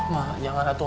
mak jangan gitu